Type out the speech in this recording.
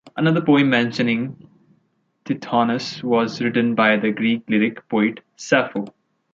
Another poem mentioning Tithonus was written by the Greek lyric poet Sappho.